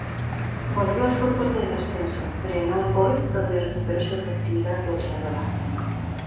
Volvió al fútbol del ascenso pero en All Boys donde recuperó su efectividad goleadora.